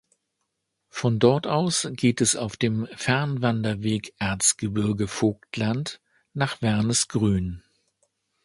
Von dort geht es auf dem "Fernwanderweg Erzgebirge-Vogtland" nach Wernesgrün.